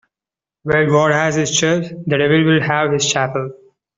Where God has his church, the devil will have his chapel.